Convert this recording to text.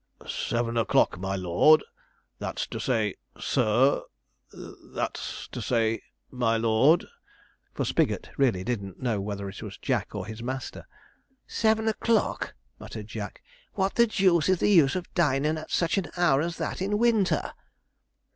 'Seven o'clock, my lord that's to say, sir that's to say, my lord,' for Spigot really didn't know whether it was Jack or his master. 'Seven o'clock!' muttered Jack. 'What the deuce is the use of dinin' at such an hour as that in winter?'